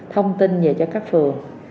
thông tin về cho các phường